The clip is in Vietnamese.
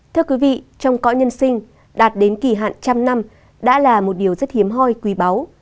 thưa quý vị trong cõi nhân sinh đạt đến kỷ hạn trăm năm đã là một điều rất hiếm hoi quý báu